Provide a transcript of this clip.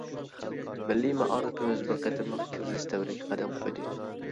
مىللىي مائارىپىمىز بىر قېتىملىق كىرىزىس دەۋرىگە قەدەم قويدى.